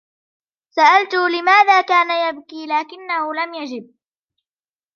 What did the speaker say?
سألته لماذا كان يبكي، لكنه لم يجب.